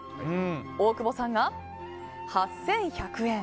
大久保さんが８１００円。